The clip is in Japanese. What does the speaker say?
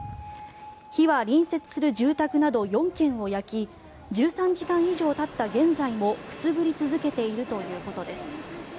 火は隣接する住宅など４軒を焼き１３時間以上たった現在もくすぶり続けているということです。